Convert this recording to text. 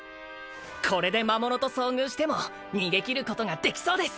これで魔物と遭遇しても逃げ切ることができそうです！